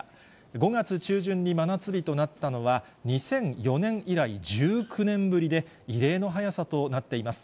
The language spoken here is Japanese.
５月中旬に真夏日となったのは、２００４年以来、１９年ぶりで、異例の早さとなっています。